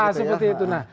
ya seperti itu